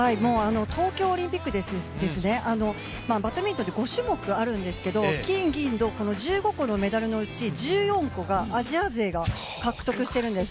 東京オリンピック、バドミントンって５種目あるんですけど金銀銅、１５個のメダルのうち１４個がアジア勢が獲得しているんです。